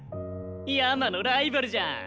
ヤマのライバルじゃん。